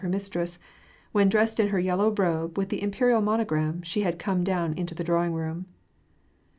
her mistress, when, dressed in her yellow robe with the imperial monogram, she had come down into the drawing room.